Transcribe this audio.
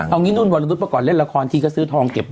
เอางี้นุ่นวรนุษย์ก่อนเล่นละครทีก็ซื้อทองเก็บ